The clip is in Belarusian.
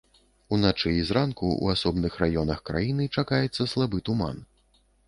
Уначы і зранку ў асобных раёнах краіны чакаецца слабы туман.